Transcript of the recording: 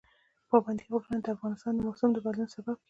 پابندي غرونه د افغانستان د موسم د بدلون سبب کېږي.